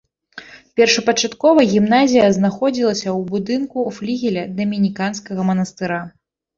Першапачаткова гімназія знаходзілася ў будынку флігеля дамініканскага манастыра.